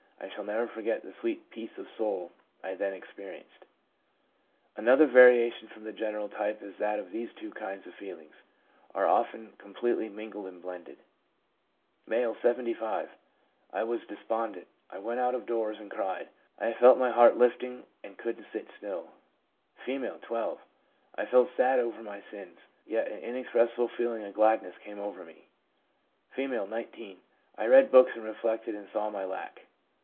I shall never forget the sweet peace of soul I then experienced/ Another variation from the general type is that these two kinds of feeling are often completely mingled and blended :* M., 75. ' I was despondent ; I went out of doors and cried; I felt my heart lifting, and couldn't sit still.' F., 12. ' I felt sad over my sins, yet an in expressible feeling of gladness came over me/ F., 19. I I read books and reflected, and saw my lack.